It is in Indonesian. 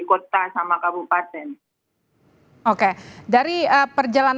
kenapa anda kemudian tidak melaporkan hal ini